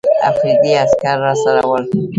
افریدي عسکر راسره ول.